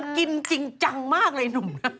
กินจริงจังมากเลยหนุ่มน้ำ